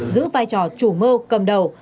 giữ vai trò chủ mơ cầm đầu